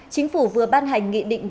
chính phủ vừa ban hành nghị định